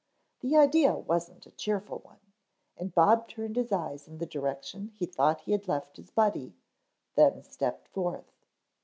The idea wasn't a cheerful one, and Bob turned his eyes in the direction he thought he had left his Buddy, then stepped forth.